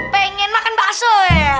pengen makan bakso ya